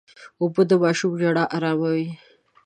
اوبه د ماشوم ژړا اراموي.